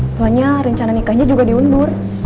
soalnya rencana nikahnya juga diundur